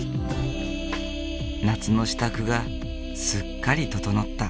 夏の支度がすっかり整った。